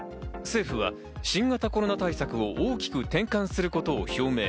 政府は新型コロナ対策を大きく転換することを表明。